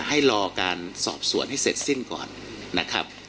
ให้รอการสอบสวนให้เสร็จสิ้นก่อนนะครับ